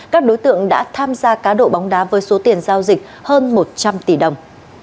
các đối tượng đã tham gia cá độ bóng đá với số tiền giao dịch hơn một trăm linh tỷ đồng